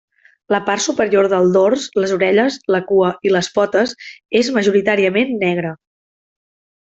La part superior del dors, les orelles, la cua i les potes és majoritàriament negre.